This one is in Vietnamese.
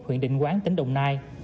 huyện định quán tỉnh đồng nai